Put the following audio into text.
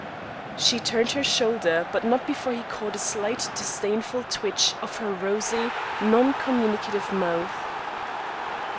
She turned her shoulder but not before he caught a slight disdainful twitch of her rosy, non communicative mouth.